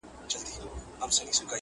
کروندې يې د کهاله څنگ ته لرلې!!